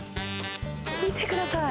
見てください。